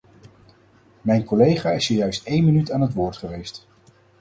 Mijn collega is zojuist één minuut aan het woord geweest.